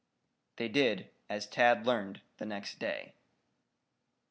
They did, as Tad learned next day.